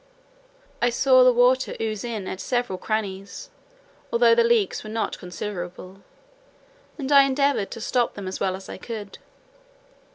I saw the water ooze in at several crannies, although the leaks were not considerable, and I endeavoured to stop them as well as I could.